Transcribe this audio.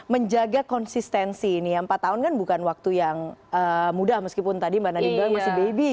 menjaga konsistensi ini empat tahun kan bukan waktu yang mudah meskipun tadi mbak nadine masih baby ya